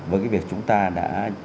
với cái việc chúng ta đã